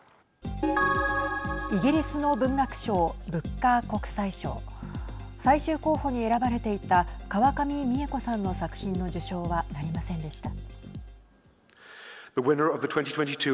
イギリスの文学賞ブッカー国際賞最終候補に選ばれていた川上未映子さんの作品の受賞はなりませんでした。